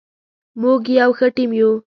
موږ یو ښه ټیم یو.